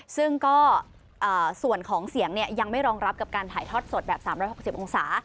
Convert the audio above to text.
ซึ่งก็ส่วนของเสียงยังไม่รองรับกับการถ่ายทอดสดแบบ๓๖๐องศา